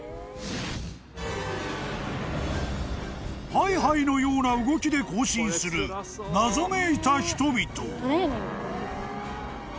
［ハイハイのような動きで行進する謎めいた人々］